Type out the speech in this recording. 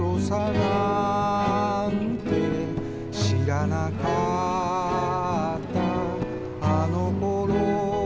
「知らなかったあの頃」